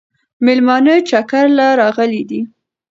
مېلمانه چکر له راغلي دي